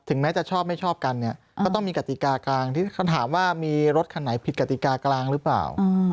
แม้จะชอบไม่ชอบกันเนี่ยก็ต้องมีกติกากลางที่คำถามว่ามีรถคันไหนผิดกติกากลางหรือเปล่า